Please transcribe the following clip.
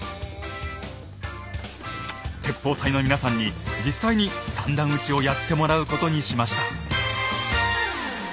鉄砲隊の皆さんに実際に三段撃ちをやってもらうことにしました。